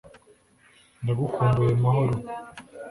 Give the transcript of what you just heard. ndagukumbuye, mahoro